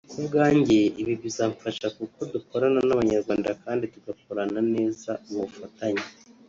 Ku bwanjye ibi bizamfasha kuko dukorana n’Abanyarwanda kandi tugakorana neza mu bufatanye